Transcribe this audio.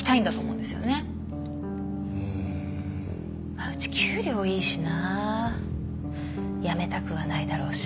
まあうち給料いいしな辞めたくはないだろうし。